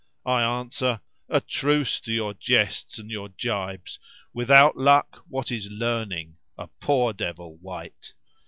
I answer, "A truce to your jests and your gibes; * Without luck what is learning?—a poor devil wight!